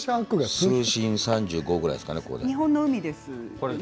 水深３５ｍぐらいですね。